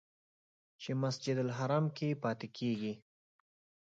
چې مسجدالحرام کې پاتې کېږي.